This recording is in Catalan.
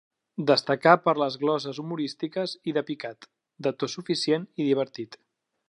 Destacà per les gloses humorístiques i de picat, de to suficient i divertit.